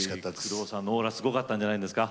工藤さんのオーラすごかったんじゃないですか？